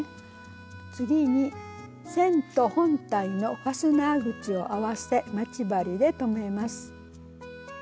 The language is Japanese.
次に線と本体のファスナー口を合わせ待ち針で留めます。